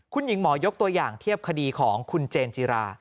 คุณหญิงหมอยกตัวอย่างเทียบคดีของคุณเจนจิรา